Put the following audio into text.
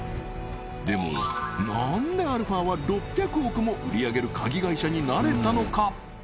でも何でアルファは６００億も売り上げる鍵会社になれたのか？